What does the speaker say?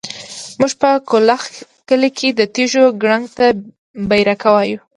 موږ په کلاخ کلي کې د تيږو کړنګ ته بېرکه وايو.